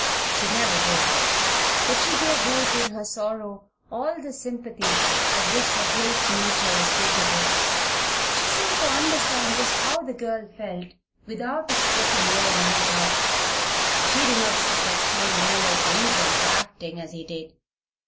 She never did. But she gave Ruth in her sorrow all the sympathy of which her great nature was capable. She seemed to understand just how the girl felt, without a spoken word on her part. She did not seek to explain the miller's reason for acting as he did.